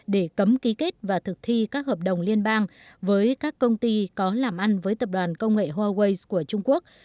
để cấm ký kết và thực thi các hợp đồng liên bang với các công ty có làm ăn với tập đoàn công nghệ huawei của trung quốc